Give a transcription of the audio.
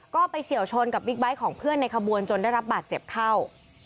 ก็ไปเฉียวชนกับบิ๊กไบท์ของเพื่อนในขบวนจนได้รับบาดเจ็บเข้า